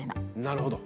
なるほど。